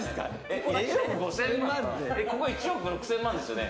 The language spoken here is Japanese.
ここ１億６０００万円ですよね？